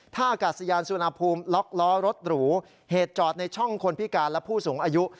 ท่าอากาศยานสุวรรณภูมิล็อกล้อรถหรูเหตุจอดในช่องคนพิการและผู้สูงอายุ